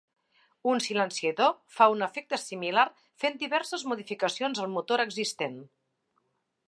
Un silenciador fa un efecte similar fent diverses modificacions al motor existent.